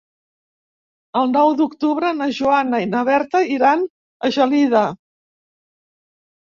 El nou d'octubre na Joana i na Berta iran a Gelida.